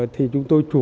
thì chúng tôi chủ yếu